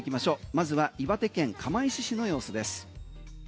まずは岩手県釜石市の様子です。